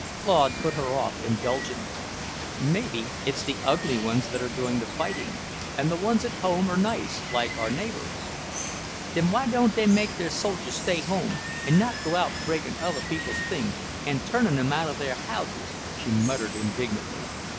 Claude put her off indulgently. "Maybe it's the ugly ones that are doing the fighting, and the ones at home are nice, like our neighbours." "Then why don't they make their soldiers stay home, an' not go breakin' other people's things, an' turnin' 'em out of their houses," she muttered indignantly.